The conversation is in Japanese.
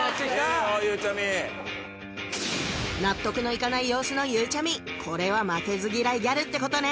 いいよゆうちゃみ納得のいかない様子のゆうちゃみこれは「負けず嫌いギャル」ってことね